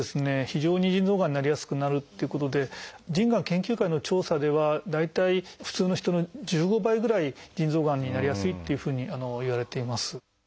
非常に腎臓がんになりやすくなるということで腎癌研究会の調査では大体普通の人の１５倍ぐらい腎臓がんになりやすいというふうにいわれています。